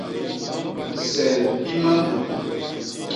Sel i mandu.